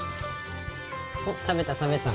おっ食べた食べた。